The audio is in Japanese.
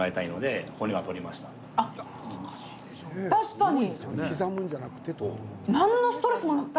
確かに。